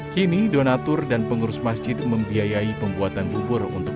kini donatur dan pengurus masjid membiayai pembuatan bubur untuk membuat bubur sup